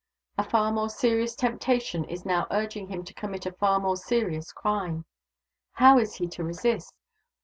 A far more serious temptation is now urging him to commit a far more serious crime. How is he to resist?